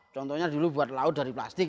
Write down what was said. contohnya dulu buat laut dari plastik